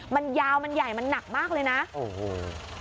มันยาวมันใหญ่มันหนักมากเลยนะโอ้โห